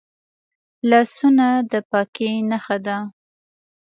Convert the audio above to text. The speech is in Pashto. لاسونه د پاکۍ نښه ده